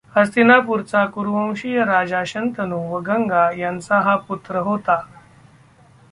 हस्तिनापुराचा कुरुवंशीय राजा शंतनू व गंगा यांचा हा पुत्र होता.